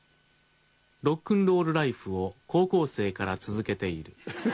ロックンロールライフを高校生から続けている。